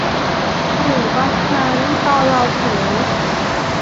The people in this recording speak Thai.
หรือบางครั้งตอนเราเผลอ